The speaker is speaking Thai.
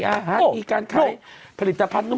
อีอาหารอีการคลายผลิตภัณฑ์